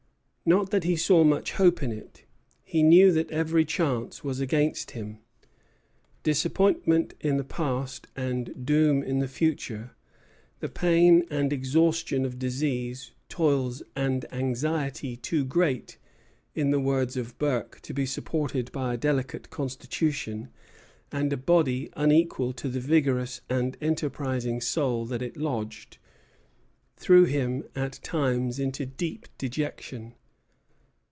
Not that he saw much hope in it. He knew that every chance was against him. Disappointment in the past and gloom in the future, the pain and exhaustion of disease, toils, and anxieties "too great," in the words of Burke, "to be supported by a delicate constitution, and a body unequal to the vigorous and enterprising soul that it lodged," threw him at times into deep dejection.